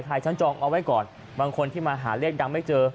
ฉันจองเอาไว้ก่อนบางคนที่มาหาเลขดังไม่เจอ